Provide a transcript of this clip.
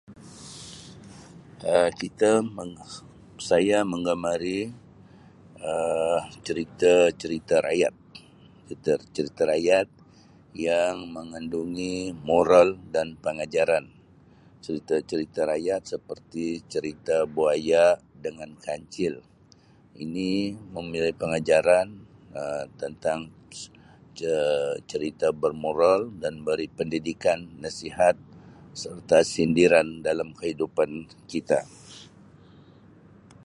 Um Kita meng- saya menggemari Um cerita-cerita rakyat, cerita-cerita rakyat yang mengandungi moral dan pengajaran. Cerita-cerita rakyat seperti buaya dengan kancil, ini memberi pengajaran Um tentang ce-cerita bermoral dan beri pendidikan, nasihat serta sindiran dalam kehidupan kita.